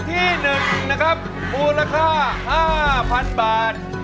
ที่๑นะครับมูลค่า๕๐๐๐บาท